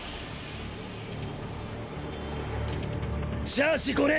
チャージ５年！